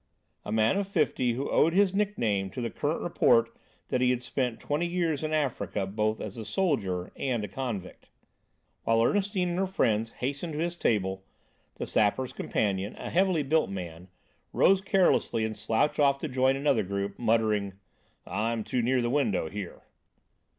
A man of fifty who owed his nickname to the current report that he had spent twenty years in Africa, both as a soldier and a convict. While Ernestine and her friends hastened to his table, the Sapper's companion, a heavily built man, rose carelessly and slouched off to join another group, muttering: "I'm too near the window here."